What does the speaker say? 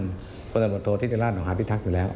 และผมเชื่อมั่นในตัวท่านบริษัทบทโทษทิศยาลาศของฮาพิทักษ์อยู่แล้ว